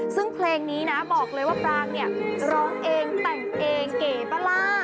ซึ่งเพลงนี้นะบอกเลยว่าปรางเนี่ยร้องเองแต่งเองเก๋ปะล่า